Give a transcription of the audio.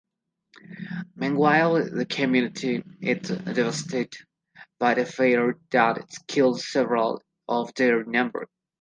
Meanwhile, the community is devastated by a fire that kills several of their number.